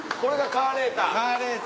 カーレーター。